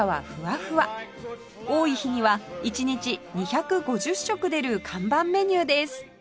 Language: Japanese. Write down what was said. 多い日には１日２５０食出る看板メニューです